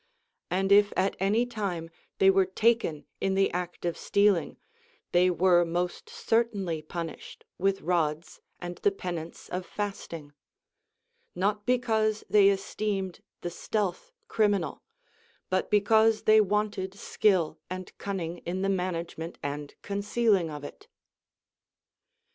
And if at any time they were taken in the act of stealing, they were most certainly punished with rods and the penance of fasting ; not be cause they esteemed the stealth criminal, but because they 90 THE ACCOUNT OF THE LAWS AND wanted skill and cunning in the management and conceal ing of it.